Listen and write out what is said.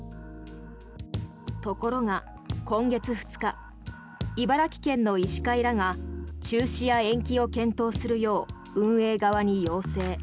ところが、今月２日茨城県の医師会らが中止や延期を検討するよう運営側に要請。